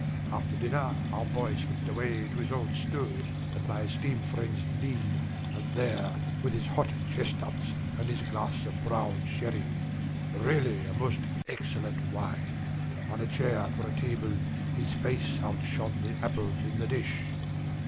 After dinner our boy slipped away to his old stool at my esteemed friend's knee, and there, with his hot chestnuts and his glass of brown sherry (really, a most excellent wine!) on a chair for a table, his face outshone the apples in the dish.